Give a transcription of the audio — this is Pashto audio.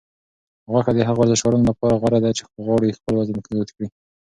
غوښه د هغو ورزشکارانو لپاره غوره ده چې غواړي خپل وزن زیات کړي.